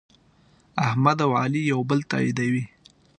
احمد او علي یو بل تأییدوي.